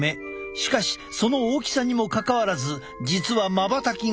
しかしその大きさにもかかわらず実はまばたきがとても少ない。